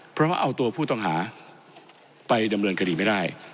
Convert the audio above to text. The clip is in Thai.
เพราะว่าเอาตัวผู้ต้องหาไปดำเนินคดีไม่ได้